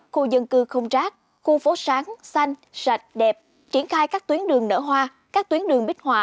khu dân cư không rác khu phố sáng xanh sạch đẹp triển khai các tuyến đường nở hoa các tuyến đường bích hòa